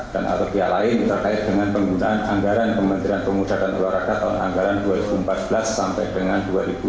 dan atau pihak lain terkait dengan penggunaan anggaran kementerian pemuda dan pelarga tahun anggaran dua ribu empat belas sampai dengan dua ribu delapan belas